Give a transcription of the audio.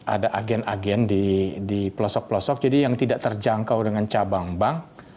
ada agen agen di pelosok pelosok jadi yang tidak terjangkau dengan cabang bank